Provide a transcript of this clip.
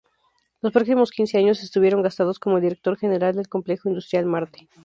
Los próximos quince años estuvieron gastados como el director general del Complejo Industrial Marte.